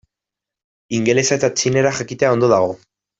Ingelesa eta txinera jakitea ondo dago.